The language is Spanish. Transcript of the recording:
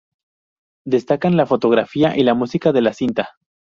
Destacan la fotografía y la música de la cinta.